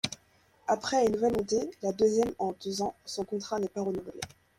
Après une nouvelle montée, la deuxième en deux ans, son contrat n'est pas renouvelé.